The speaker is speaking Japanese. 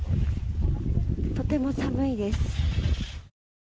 とても寒いです。